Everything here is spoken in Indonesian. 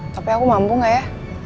tapi aku mampu gak ya